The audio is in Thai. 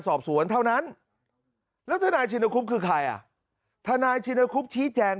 สอบสวนเท่านั้นแล้วทนายชินคุบคือใครอ่ะทนายชินคุบชี้แจง